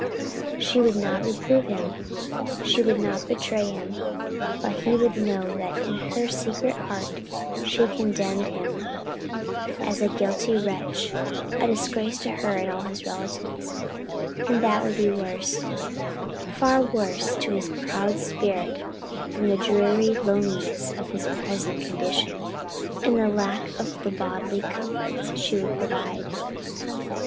She would not reprove him, she would not betray him, but he would know that in her secret heart she condemned him as a guilty wretch, a disgrace to her and all his relatives; and that would be worse, far worse to his proud spirit than the dreary loneliness of his present condition, and the lack of the bodily comforts she would provide.